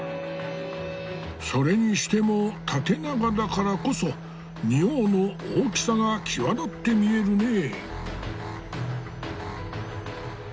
それにしても縦長だからこそ仁王の大きさが際立って見えるねえ。